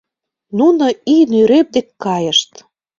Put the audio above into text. Нуно ий нӧреп дек кайышт.